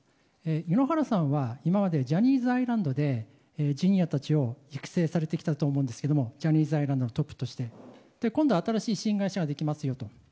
井ノ原さんは今までジャニーズアイランドでＪｒ．たちを育成されてきたと思うんですがジャニーズアイランドのトップとして。今度は新しい新会社ができますよと。